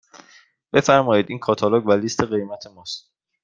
بفرمایید این کاتالوگ و لیست قیمت ماست.